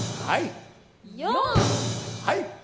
はいはい。